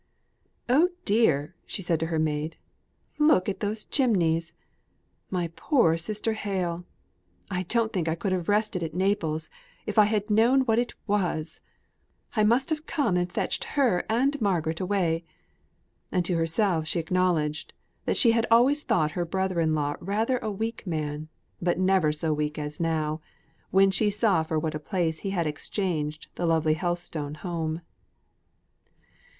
"Oh dear!" she said to her maid; "look at those chimneys! My poor sister Hale! I don't think I could have rested at Naples, if I had known what it was! I must have come and fetched her and Margaret away." And to herself she acknowledged, that she had always thought her brother in law rather a weak man, but never so weak as now, when she saw for what a place he had exchanged the lovely Helstone home.